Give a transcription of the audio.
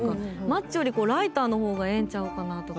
マッチよりライターのほうがええんちゃうかなとか。